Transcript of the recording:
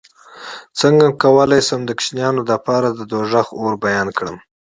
څنګه کولی شم د ماشومانو لپاره د دوزخ اور بیان کړم